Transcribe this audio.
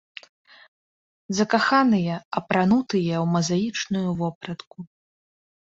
Закаханыя апранутыя ў мазаічную вопратку.